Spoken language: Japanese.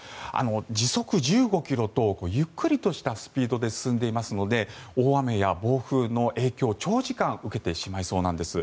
時速１５ｋｍとゆっくりとしたスピードで進んでいますので大雨や暴風の影響を長時間受けてしまいそうです。